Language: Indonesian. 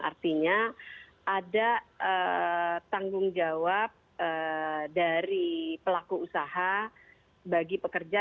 artinya ada tanggung jawab dari pelaku usaha bagi pekerja